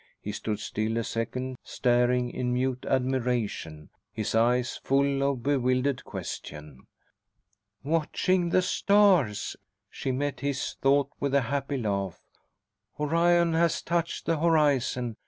He stood still a second, staring in mute admiration, his eyes full of bewildered question. "Watching the stars," she met his thought with a happy laugh. "Orion has touched the horizon.